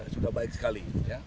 sudah baik sekali